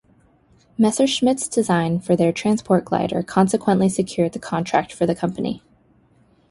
Messerschmitt's design for this transport glider consequently secured the contract for the company.